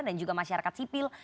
dan juga masyarakat sipil